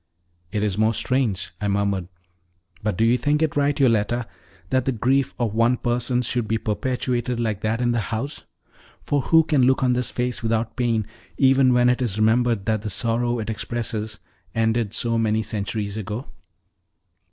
"It is most strange!" I murmured. "But do you think it right, Yoletta, that the grief of one person should be perpetuated like that in the house; for who can look on this face without pain, even when it is remembered that the sorrow it expresses ended so many centuries ago?"